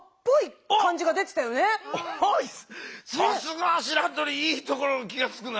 さすがしらとりいいところに気がつくな。